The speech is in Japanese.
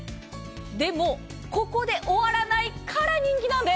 でも、ここで終わらないから人気なんです。